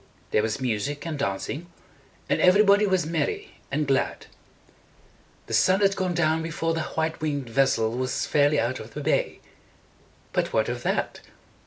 There was music and dancing, and everybody was merry and glad. The sun had gone down before the white winged vessel was fairly out of the bay. But what of that?